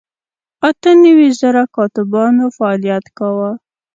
اته نوي زره کاتبانو فعالیت کاوه.